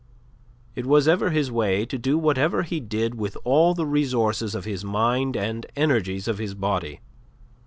It was ever his way to do whatever he did with all the resources of his mind and energies of his body.